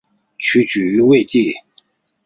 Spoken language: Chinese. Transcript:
崛起于魏晋。